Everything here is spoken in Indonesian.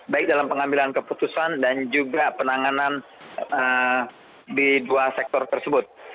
baik dalam pengambilan keputusan dan juga penanganan di dua sektor tersebut